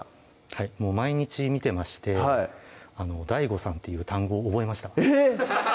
はい毎日見てまして「ＤＡＩＧＯさん」っていう単語を覚えましたえっ！